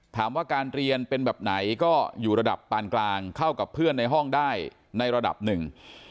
ถามว่าการเรียนเป็นแบบไหนก็อยู่ระดับปานกลางเข้ากับเพื่อนในห้องได้ในระดับหนึ่ง